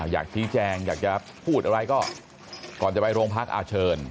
อยากชี้แจงอยากจะพูดอะไรก็ก่อนจะไปโรงพักเชิญ